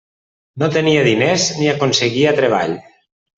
No tenia diners ni aconseguia treball.